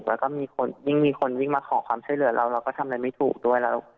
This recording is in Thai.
แล้วก็มีคนยิ่งมีคนวิ่งมาขอความช่วยเหลือเราเราก็ทำอะไรไม่ถูกด้วยแล้ว